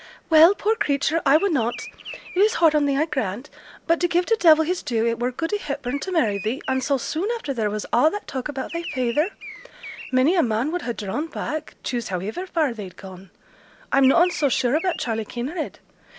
'Well, poor creature, I wunnot. It is hard on thee, I grant. But to give t' devil his due, it were good i' Hepburn to marry thee, and so soon after there was a' that talk about thy feyther. Many a man would ha' drawn back, choose howiver far they'd gone. I'm noane so sure about Charley Kinraid.